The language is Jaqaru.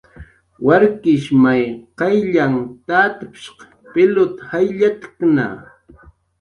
Warkish may qaylllanh tatshq pilut jayllatkna